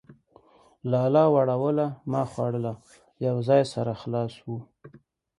لالا وړوله ما خوړله ،. يو ځاى سره خلاص سولو.